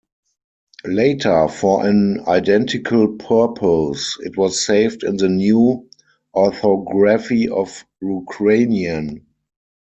Later, for an identical purpose, it was saved in the new orthography of Ukrainian.